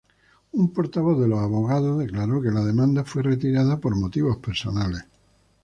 Un portavoz de los abogados declaró que la demanda fue retirada por motivos personales.